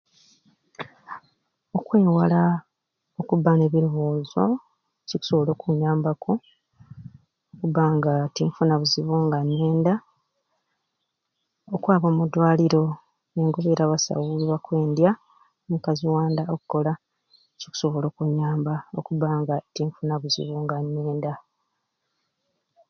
Okwewala okubba n'ebirowoozo kikusobola okunyambaku okubba nga tinkufuna buzibu nga nina enda okwaba omudwaliro ningumira abasawu bibakwendya omukazi wa nda okukola kikusobola okunyamba okubba nga tinkufuna buzibu nga nina enda.